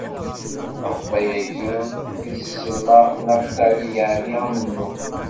Ɣef wayagi i s-tsemma Naftali, yeɛni amennuɣ.